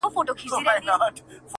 ستا د رخسار خبري ډيري ښې دي-